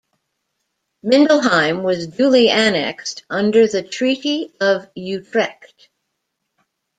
Mindelheim was duly annexed under the Treaty of Utrecht.